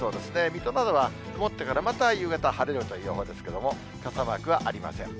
水戸などは曇ってから、また夕方、晴れるという予報ですけれども、傘マークはありません。